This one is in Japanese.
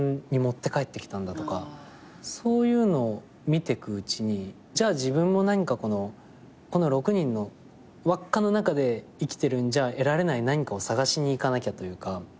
そういうのを見てくうちにじゃあ自分も何かこの６人の輪っかの中で生きてるんじゃ得られない何かを探しに行かなきゃというか。